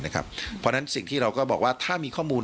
เพราะฉะนั้นสิ่งที่เราก็บอกว่าถ้ามีข้อมูล